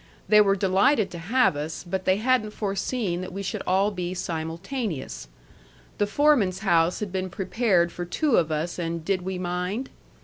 They were delighted to have us, but they hadn't foreseen that we should all be simultaneous. The foreman's house had been prepared for two of us, and did we mind?